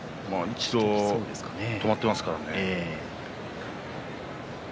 一度止まっていますからね。